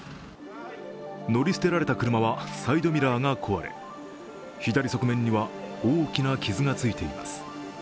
乗り捨てられた車はサイドミラーが壊れ、左側面には大きな傷がついています。